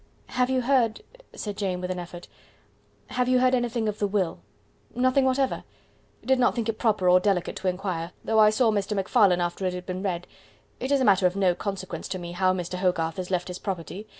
"Have you heard," said Jane, with an effort "have you heard anything of the will?" "Nothing whatever did not think it proper or delicate to inquire, though I saw Mr. MacFarlane after it had been read. It is a matter of no consequence to me how Mr. Hogarth has left his property.